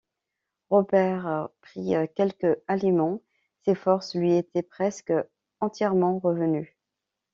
Robert prit quelques aliments ; ses forces lui étaient presque entièrement revenues.